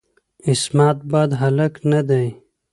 عصمت بد هلک نه دی.